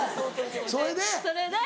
それで？